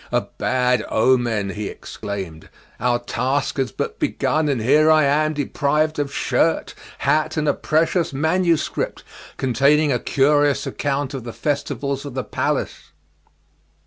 "A bad omen," he exclaimed; "our task is but begun and here am I deprived of shirt, hat, and a precious manuscript, containing a curious account of the festivals of the palace."